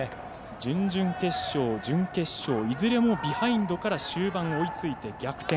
準々決勝、準決勝いずれもビハインドから終盤、追いついて逆転。